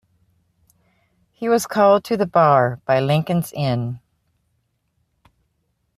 He was called to the Bar by "Lincoln's Inn".